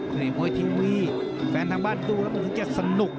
เหนื่อยมวยทิวีแฟนทางบ้านดูแล้วมันก็จะสนุก